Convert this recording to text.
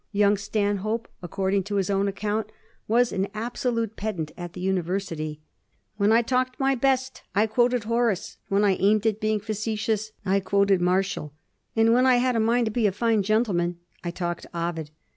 Young Stanhope, according to bis own account, was an absolute pedant at the univer sity. "When I talked my best I quoted Horace; when I aimed at being facetious I quoted Martial; and when I had a mind to be a fine gentleman I talked Ovid.